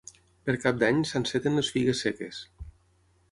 Per Cap d'Any s'enceten les figues seques.